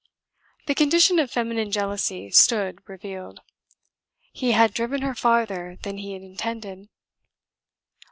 The condition of feminine jealousy stood revealed. He had driven her farther than he intended.